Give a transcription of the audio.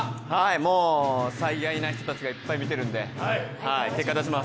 もう、最愛な人たちがいっぱい見てるので結果出します。